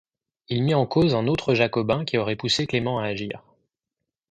Il mit en cause un autre jacobin qui aurait poussé Clément à agir.